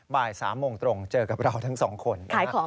บ่าย๓โมงตรงเจอกับเราทั้งสองคน